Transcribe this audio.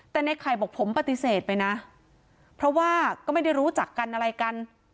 แต่ในไข่บอกผมปฏิเสธไปนะเพราะว่าก็ไม่ได้รู้จักกันอะไรกัน